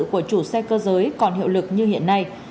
của chủ xe cơ giới còn hiệu lực như hiện nay